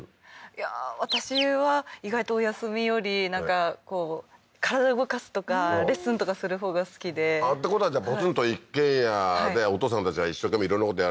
いやー私は意外とお休みよりなんかこう体動かすとかレッスンとかするほうが好きでってことはじゃあポツンと一軒家でお父さんたちが一生懸命色んなことやる